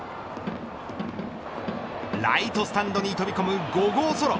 ライトスタンドに飛び込む５号ソロ。